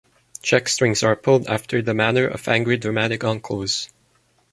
Check-strings are pulled after the manner of angry dramatic uncles.